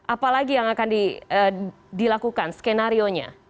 apalagi yang akan dilakukan skenario nya